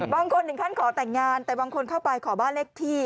บางคนถึงขั้นขอแต่งงานแต่บางคนเข้าไปขอบ้านเลขที่